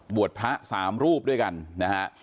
บวชพระ๓รูปด้วยกันนะฮะ